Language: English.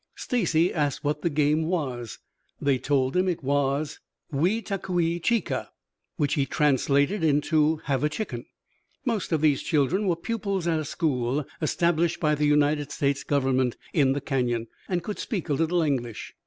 Stacy asked what the game was. They told him it was "Hui ta qui chi ka," which he translated into "Have a chicken." Most of these children were pupils at a school established by the United States government in the Canyon, and could speak a little English.